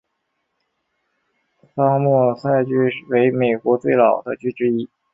桑莫塞郡为美国最老的郡之一。